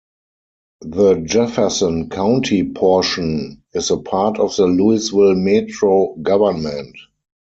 The Jefferson County portion is a part of the Louisville Metro government.